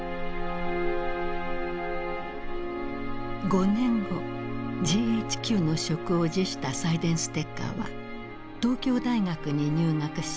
５年後ＧＨＱの職を辞したサイデンステッカーは東京大学に入学し日本文学の研究を始める。